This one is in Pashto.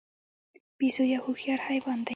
بیزو یو هوښیار حیوان دی.